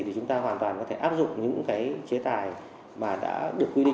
thì chúng ta hoàn toàn có thể áp dụng những cái chế tài mà đã được quy định